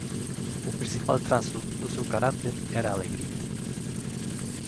O principal trazo do seu carácter era a alegría.